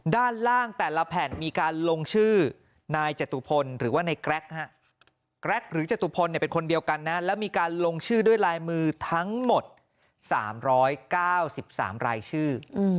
ด้านล่างแต่ละแผ่นมีการลงชื่อนายจตุพลหรือว่าในแกรกแกรกหรือจตุพลเป็นคนเดียวกันนะแล้วมีการลงชื่อด้วยลายมือทั้งหมด๓๙๓รายชื่อ